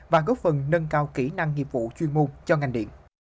và góp phần nâng cao kỹ năng nghiệp vụ chuyên môn cho ngành điện